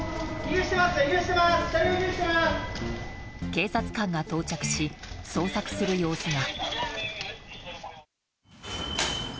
警察官が到着し捜索する様子が。